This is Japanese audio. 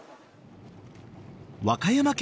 和歌山県